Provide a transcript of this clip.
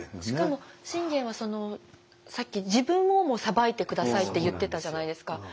しかも信玄はさっき自分をも裁いて下さいって言ってたじゃないですか。